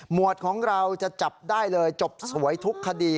วดของเราจะจับได้เลยจบสวยทุกคดี